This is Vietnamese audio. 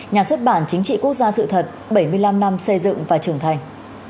nhà xuất bản chính trị quốc gia sự thật bảy mươi năm năm xây dựng và trưởng thành